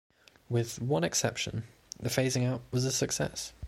With one exception, the phasing out was a success.